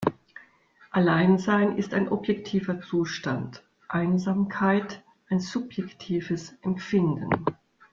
Alleinsein ist ein objektiver Zustand, Einsamkeit ein subjektives Empfinden.